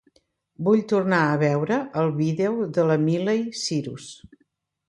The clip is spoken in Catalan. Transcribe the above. Vull tornar a veure el vídeo de la Miley Cyrus.